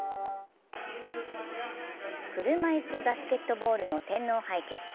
車いすバスケットボールの天皇杯決勝。